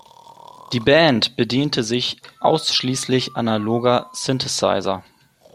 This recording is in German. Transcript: Die Band bediente sich ausschließlich analoger Synthesizer.